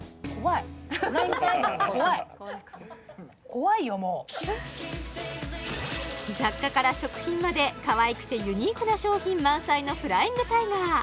フライングタイガー怖いよもう雑貨から食品までかわいくてユニークな商品満載のフライングタイガー